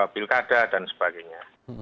pilkada dan sebagainya